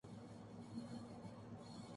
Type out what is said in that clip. لفظ تفسیر عربی زبان کا لفظ ہے جس کا مادہ فسر ہے